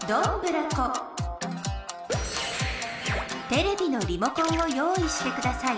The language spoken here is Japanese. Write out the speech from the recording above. テレビのリモコンを用いしてください。